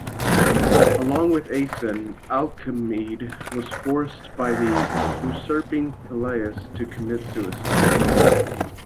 Along with Aeson, Alcimede was forced by the usurping Pelias to commit suicide.